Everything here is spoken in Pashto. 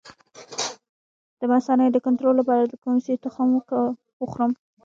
د مثانې د کنټرول لپاره د کوم شي تخم وخورم؟